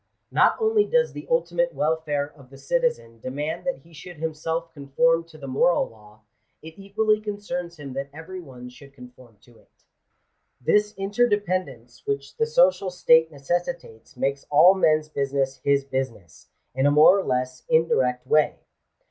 Not only does the ultimate welfare of the citizen demand /that he should himself conform to the moral law; it equally concerns him that every one should conform to it This inter ] dependence which the social state necessitates makes all men's business his business, in a more or less indirect way.